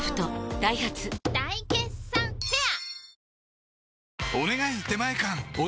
ダイハツ大決算フェア